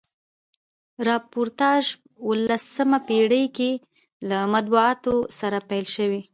راپورتاژپه اوولسمه پیړۍ کښي له مطبوعاتو سره پیل سوی.